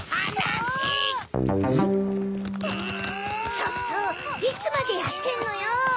ちょっといつまでやってんのよ！